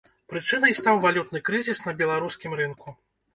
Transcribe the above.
Прычынай стаў валютны крызіс на беларускім рынку.